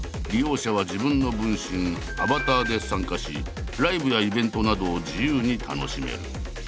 利用者は自分の分身「アバター」で参加しライブやイベントなどを自由に楽しめる。